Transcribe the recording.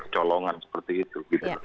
colongan seperti itu